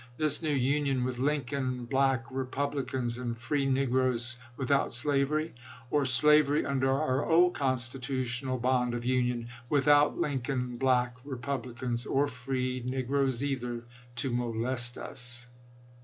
This new union with Lincoln Black Repub licans and free negroes, without slavery; or, slavery under our old constitutional bond of union, without Lin coln Black Republicans or free negroes either, to mo lest us.